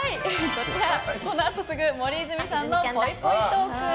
このあとすぐ森泉さんのぽいぽいトーク。